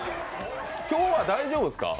今日は大丈夫ですか？